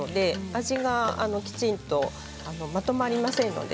味がきちんとまとまりませんので。